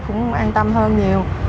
cũng an tâm hơn nhiều